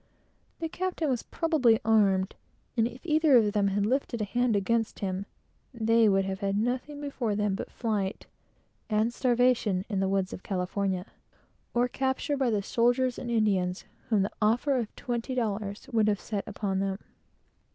The captain was probably armed, and if either of them had lifted a hand against him, they would have had nothing before them but flight, and starvation in the woods of California, or capture by the soldiers and Indian blood hounds, whom the offer of twenty dollars would have set upon them.